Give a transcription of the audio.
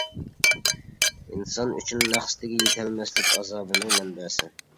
ئىنسان ئۈچۈن مەقسىتىگە يېتەلمەسلىك ئازابنىڭ مەنبەسى.